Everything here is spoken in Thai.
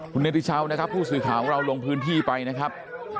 คุณเนติชาวนะครับผู้สื่อข่าวของเราลงพื้นที่ไปนะครับ